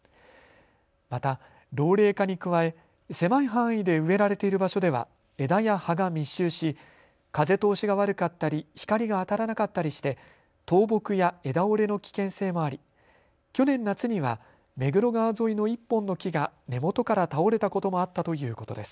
また老齢化に加え狭い範囲で植えられている場所では枝や葉が密集し風通しが悪かったり光が当たらなかったりして倒木や枝折れの危険性もあり去年夏には目黒川沿いの１本の木が根元から倒れたこともあったということです。